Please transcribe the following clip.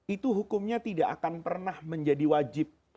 itu hukumnya tidak akan pernah menjadi wajib